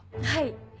はい。